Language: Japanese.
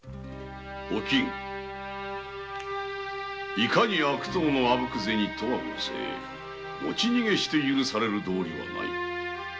いかに悪党のアブク銭とは申せ持ち逃げして許される道理はない。